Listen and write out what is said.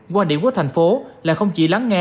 quan điểm của thành phố là không chỉ lắng nghe